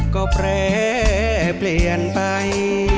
ก็แปรเปลี่ยนไป